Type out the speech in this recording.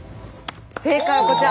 正解はこちら。